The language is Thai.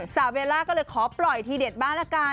สาวเวลาก็เลยขอปล่อยทีเด็ดบ้านละกัน